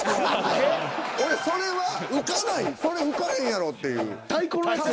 俺それは浮かないそれ浮かへんやろっていう。